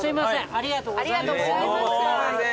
ありがとうございます。